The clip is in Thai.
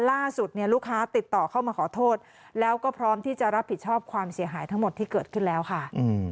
ล่าสุดเนี่ยลูกค้าติดต่อเข้ามาขอโทษแล้วก็พร้อมที่จะรับผิดชอบความเสียหายทั้งหมดที่เกิดขึ้นแล้วค่ะ